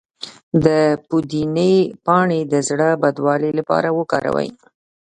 د پودینې پاڼې د زړه بدوالي لپاره وکاروئ